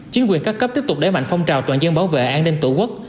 chính quyền các cấp tiếp tục đẩy mạnh phong trào toàn dân bảo vệ an ninh tổ quốc